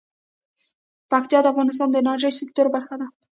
پکتیکا د افغانستان د انرژۍ سکتور برخه ده.